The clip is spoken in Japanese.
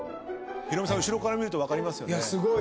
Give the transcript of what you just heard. ヒロミさん後ろから見ると分かりますよね。